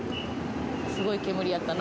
すごい煙やったな。